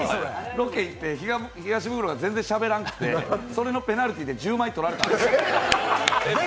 ロケ行って、東ブクロが全然しゃべらなくて、それのペナルティーで１０枚取られた。